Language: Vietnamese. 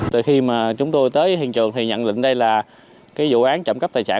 từ khi mà chúng tôi tới hiện trường thì nhận định đây là cái vụ án trộm cắp tài sản